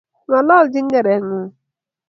ng'olonchin ng'erengung'